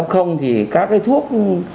f thì các cái thuốc